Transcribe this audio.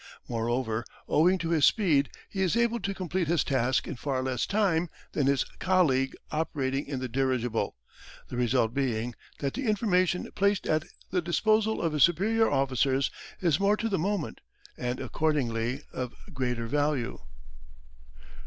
Moreover, owing to his speed he is able to complete his task in far less time than his colleague operating in the dirigible, the result being that the information placed at the disposal of his superior officers is more to the moment, and accordingly of greater value.